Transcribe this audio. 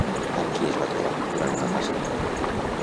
Amb qui es va trobar durant una passejada?